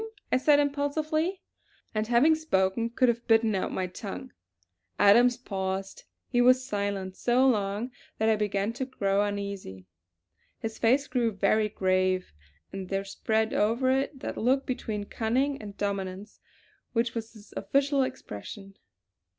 I said impulsively; and having spoken could have bitten out my tongue. Adams paused; he was silent so long that I began to grow uneasy. His face grew very grave, and there spread over it that look between cunning and dominance which was his official expression.